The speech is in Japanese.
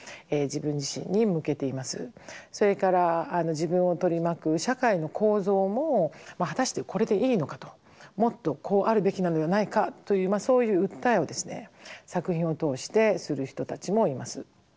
それから自分を取り巻く社会の構造も果たしてこれでいいのかともっとこうあるべきなのではないかというそういう訴えをですね作品を通してする人たちもいます。